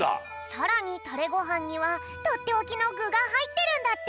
さらにタレごはんにはとっておきのぐがはいってるんだって！